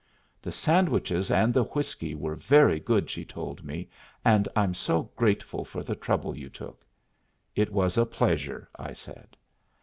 "The sandwiches and the whiskey were very good," she told me, "and I'm so grateful for the trouble you took." "It was a pleasure," I said.